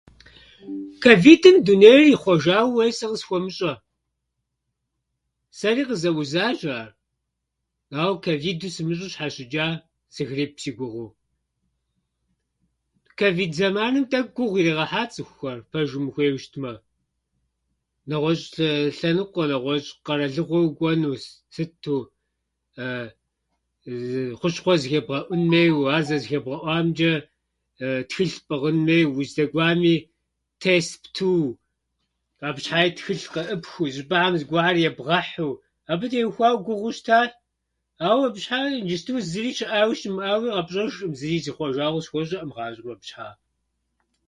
Ковидым дунейр ихъуэжауэ, уей сэ къысхуэмыщӏэ. Сэри къызэузащ ар, ауэ ковиду сымыщӏэу сщхьэщычӏа, сыгрип си гугъэу. Ковид зэманым тӏэкӏу гугъу иригъэхьа цӏыхухьэр пэжым ухуейуэ щытмэ. Нэгъуэщӏ лъ- лъэныкъуэ, нэгъуэщӏ къэралыгъуэ укӏуэну с- сыту хущхъуэ зыхебгъэӏун хуейуэ, ар зэрзыхебгъэӏуамчӏэ тхылъ пӏыгъын хуейуэ. Уздэкӏуами, тест птыуэ, абы шхьэи тхылъ къеӏыпхыу, зы щӏыпӏэхьэм зыгуэрхьэр ебгъэхьу. Абы теухуауэ гугъуу щытащ, ауэ абы щхьаи ныджысту зыри щыӏауи щымыӏауи къэпщӏэжкъым. Зыуи зихъуэжауэ къысхуэщӏэкъым гъащӏэм абы щхьэӏэ.